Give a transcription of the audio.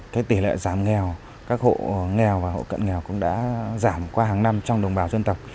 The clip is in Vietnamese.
cái tỷ lệ giảm nghèo các hộ nghèo và hộ cận nghèo cũng đã giảm qua hàng năm trong đồng bào dân tộc